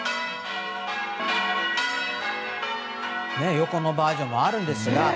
横のバージョンもあるんですが。